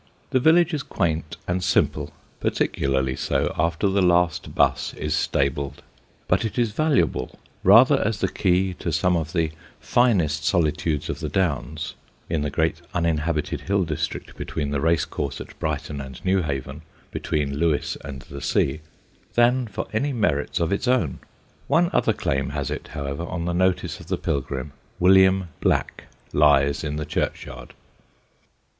The village is quaint and simple (particularly so after the last 'bus is stabled), but it is valuable rather as the key to some of the finest solitudes of the Downs, in the great uninhabited hill district between the Race Course at Brighton and Newhaven, between Lewes and the sea, than for any merits of its own. One other claim has it, however, on the notice of the pilgrim: William Black lies in the churchyard.